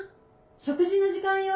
食事の時間よ。